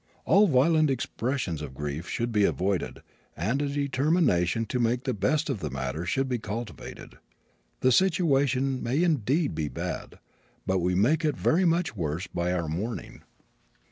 All violent expressions of grief should be avoided and a determination to make the best of the matter should be cultivated. The situation may indeed be bad, but we make it very much worse by our mourning.